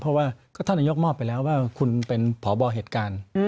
เพราะว่าท่านนายกมอบไปแล้วว่าคุณเป็นพบเหตุการณ์